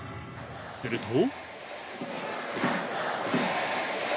すると。